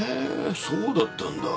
そうだったんだ。